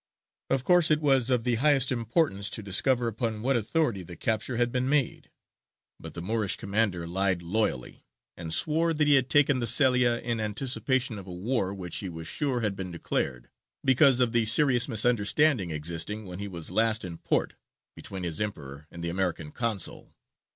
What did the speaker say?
Of course it was of the highest importance to discover upon what authority the capture had been made; but the Moorish commander lied loyally, and swore that he had taken the Celia in anticipation of a war which he was sure had been declared, because of the serious misunderstanding existing when he was last in port between his Emperor and the American consul.